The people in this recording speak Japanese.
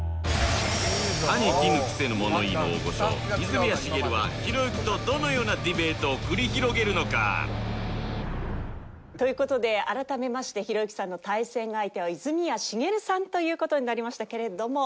歯に衣着せぬ物言いの大御所泉谷しげるはひろゆきとどのようなディベートを繰り広げるのか！？という事で改めましてひろゆきさんの対戦相手は泉谷しげるさんという事になりましたけれども。